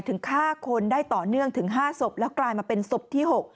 ถึงฆ่าคนได้ต่อเนื่องถึง๕ศพแล้วกลายมาเป็นศพที่๖